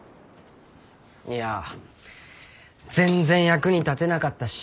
いや全然役に立てなかったし。